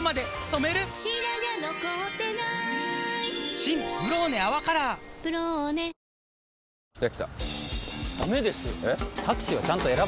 新「ブローネ泡カラー」「ブローネ」速報です。